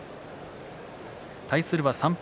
対するは３敗